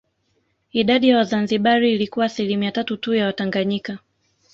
Idadi ya Wazanzibari ilikuwa asilimia tatu tu ya Watanganyika